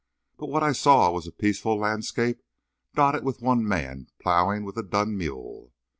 But what I saw was a peaceful landscape dotted with one man ploughing with a dun mule.